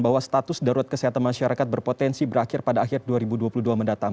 bahwa status darurat kesehatan masyarakat berpotensi berakhir pada akhir dua ribu dua puluh dua mendatang